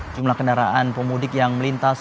jumlah kendaraan pemudik yang melintas